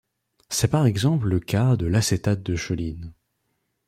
C'est par exemple le cas de l'acétate de choline.